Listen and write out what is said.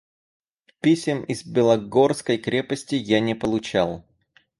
Писем из Белогорской крепости я не получал.